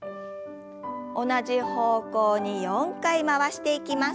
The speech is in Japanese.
同じ方向に４回回していきます。